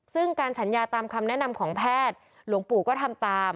ซึ่งการสัญญาตามคำแนะนำของแพทย์หลวงปู่ก็ทำตาม